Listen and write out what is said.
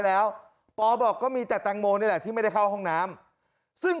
แล้วปอบอกก็มีแต่แตงโมนี่แหละที่ไม่ได้เข้าห้องน้ำซึ่ง